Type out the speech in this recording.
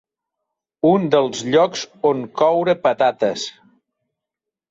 Un dels llocs on coure patates.